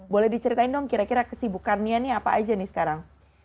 boleh diceritain dong kira kira kesibukannya nih apa aja nih sekarang